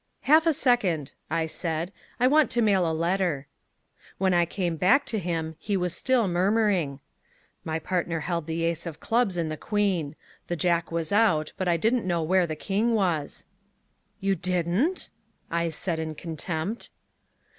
"Half a second," I said, "I want to mail a letter." When I came back to him, he was still murmuring: "My partner held the ace of clubs and the queen. The jack was out, but I didn't know where the king was " "You didn't?" I said in contempt.